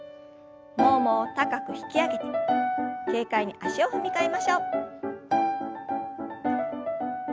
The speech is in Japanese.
ももを高く引き上げて軽快に足を踏み替えましょう。